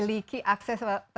terima kasih pak do